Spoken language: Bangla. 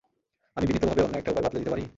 আমি বিনীতভাবে অন্য একটা উপায় বাতলে দিতে পারি?